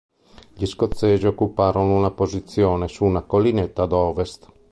Gli scozzesi occuparono una posizione su una collinetta a ovest.